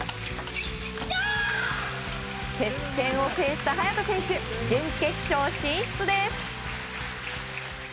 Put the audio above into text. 接戦を制した早田選手準決勝進出です。